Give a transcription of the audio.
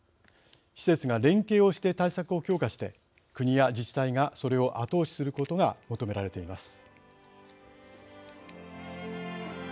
施設が連携をして対策を強化して国や自治体がそれを後押しすることが求められています。